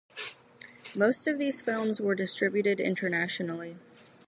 Most of these films were distributed internationally.